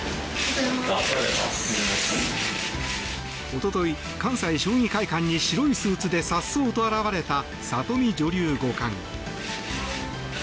一昨日、関西将棋会館に白いスーツでさっそうと現れたのは里見香奈女流五冠。